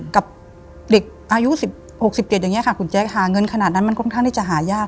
กับเด็กอายุสิบหกสิบเด็กอย่างเงี้ยค่ะคุณแจ๊คหาเงินขนาดนั้นมันค่อนข้างได้จะหายาก